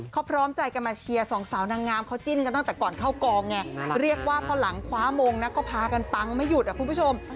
เขาพร้อมใจกันมาเชียร์สองสาวนางงามเขาจิ้นกันตั้งแต่ก่อนเข้ากองไงเรียกว่าพอหลังคว้ามงนะก็พากันปังไม่หยุดอ่ะคุณผู้ชม